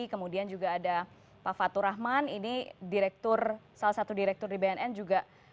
kemudian juga ada pak fatur rahman ini salah satu direktur di bnn juga